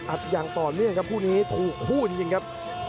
อย่างต่อเนื่องครับคู่นี้ถูกคู่จริงครับ